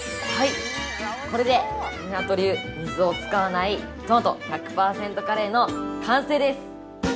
これで湊流「水を使わないトマト１００％カレー」の完成です。